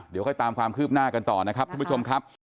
เดี๋ยวค่อยตามความคืบหน้ากันต่อนะครับทุกผู้ชมครับ